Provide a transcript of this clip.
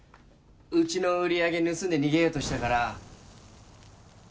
うちの売り上げ盗んで逃げようとしたから。